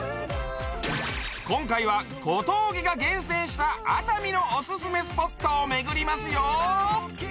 今回は小峠が厳選した熱海のオススメスポットをめぐりますよ